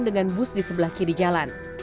dengan bus di sebelah kiri jalan